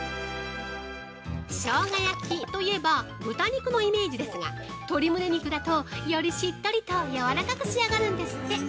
しょうが焼きといえば豚肉のイメージですが鶏むね肉だと、よりしっとりとやわらかく仕上がるんですって！